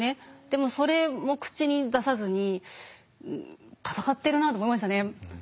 でもそれも口に出さずに戦ってるなと思いましたね。